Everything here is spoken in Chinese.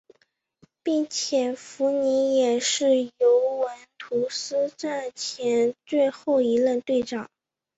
并且福尼也是尤文图斯战前最后一任队长。